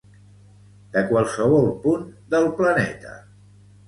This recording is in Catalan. De qualsevol punt del planeta.